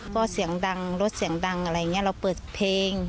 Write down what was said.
ก็เสียงดังรถเสียงดังอะไรอย่างนี้เราเปิดเพลง